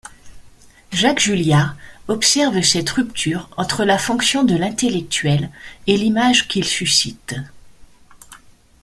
Jacques Julliard observe cette rupture entre la fonction de l'intellectuel et l'image qu'il suscite.